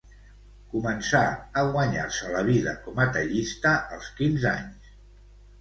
Començà a guanyar-se la vida com a tallista als quinze anys.